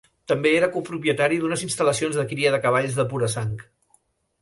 També era copropietari d'unes instal·lacions de cria de cavalls de pura sang.